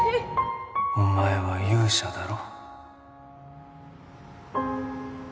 お前は勇者だろ？